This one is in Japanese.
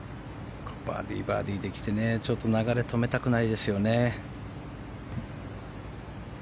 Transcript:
バーディーバーディーで来て流れ、止めたくないですね。